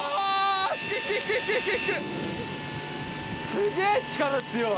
すげぇ力強い！